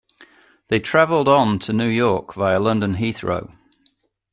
They travelled on to New York via London Heathrow